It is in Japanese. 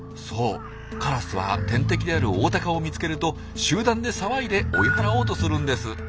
そうカラスは天敵であるオオタカを見つけると集団で騒いで追い払おうとするんです。